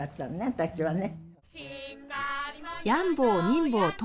私はね。